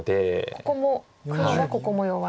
ここも黒はここも弱い。